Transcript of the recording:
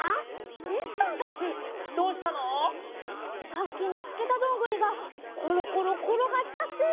さっきみつけたどんぐりがころころころがっちゃって。